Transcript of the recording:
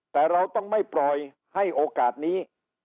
แต่เราต้องไม่ปล่อยให้โอกาสนี้